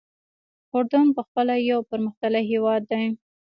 اردن پخپله یو پرمختللی هېواد دی.